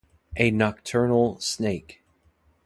A nocturnal snake.